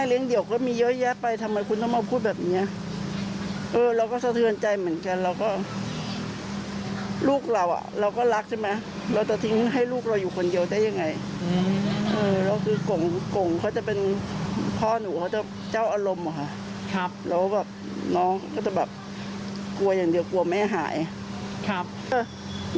แล้วก็แบบน้องก็จะแบบกลัวอย่างเดียวกลัวไม่ให้หาย